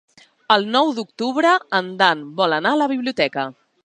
El nou d'octubre en Dan vol anar a la biblioteca.